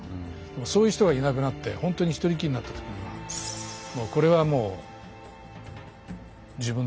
もうそういう人がいなくなってほんとに一人っきりになった時にはこれはもう自分でやるしかないなと。